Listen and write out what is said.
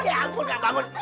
ya ampun gak bangun